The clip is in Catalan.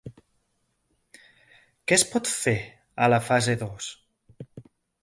Què es pot fer a la fase dos?